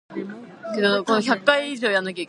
The area is mainly residential.